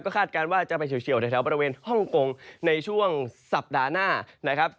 คาดการณ์ว่าจะไปเฉียวแถวบริเวณฮ่องกงในช่วงสัปดาห์หน้านะครับ